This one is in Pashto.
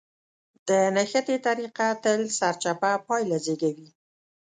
د نښتې طريقه تل سرچپه پايله زېږوي.